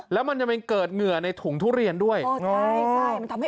แล้วมันยังไม่เกิดเหงื่อในถุงทุเรียนด้วยอ๋อใช่ใช่